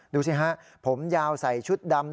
ดูสิฮะผมยาวใส่ชุดดำ